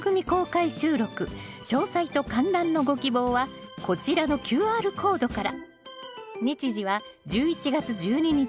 詳細と観覧のご希望はこちらのＱＲコードから。